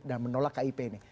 dan menolak kip ini